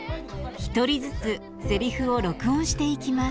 一人ずつセリフを録音していきます。